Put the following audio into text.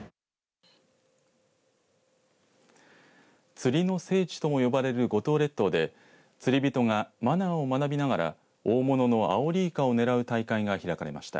釣りの聖地とも呼ばれる五島列島で釣り人がマナーを学びながら大物のアオリイカを狙う大会が開かれました。